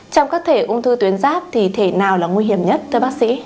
trong các thể ung thư tuyến giáp thì thể nào là nguy hiểm nhất thưa bác sĩ